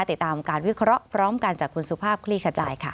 ติดตามการวิเคราะห์พร้อมกันจากคุณสุภาพคลี่ขจายค่ะ